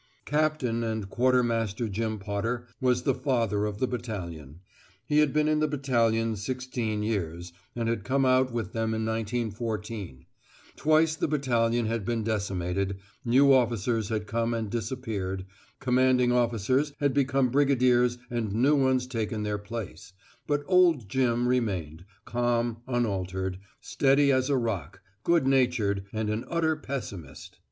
Captain and Quartermaster Jim Potter was the Father of the battalion. He had been in the battalion sixteen years, and had come out with them in 1914; twice the battalion had been decimated, new officers had come and disappeared, commanding officers had become brigadiers and new ones taken their place, but "Old Jim" remained, calm, unaltered, steady as a rock, good natured, and an utter pessimist.